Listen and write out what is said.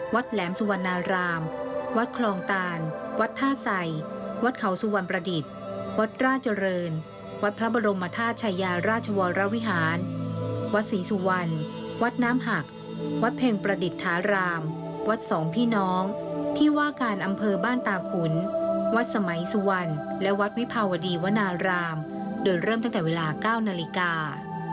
แหลมสุวรรณารามวัดคลองตานวัดท่าใส่วัดเขาสุวรรณประดิษฐ์วัดราชเจริญวัดพระบรมธาตุชายาราชวรวิหารวัดศรีสุวรรณวัดน้ำหักวัดเพ็งประดิษฐารามวัดสองพี่น้องที่ว่าการอำเภอบ้านตาขุนวัดสมัยสุวรรณและวัดวิภาวดีวนารามโดยเริ่มตั้งแต่เวลา๙นาฬิกา